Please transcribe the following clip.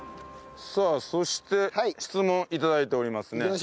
さあそして質問頂いておりますね。